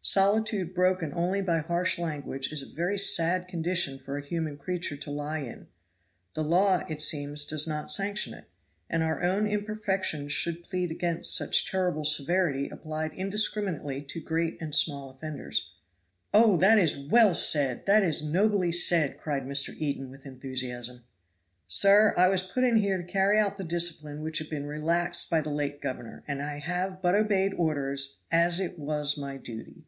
Solitude broken only by harsh language is a very sad condition for a human creature to lie in the law, it seems, does not sanction it and our own imperfections should plead against such terrible severity applied indiscriminately to great and small offenders." "Oh, that is well said, that is nobly said," cried Mr. Eden with enthusiasm. "Sir! I was put in here to carry out the discipline which had been relaxed by the late governor, and I have but obeyed orders as it was my duty."